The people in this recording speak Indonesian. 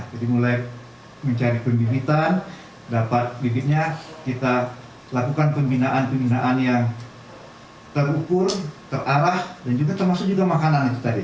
jadi mulai mencari pembibitan dapat bibitnya kita lakukan pembinaan pembinaan yang terukur terarah dan termasuk juga makanan